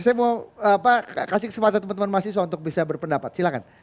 saya mau kasih kesempatan teman teman mahasiswa untuk bisa berpendapat silahkan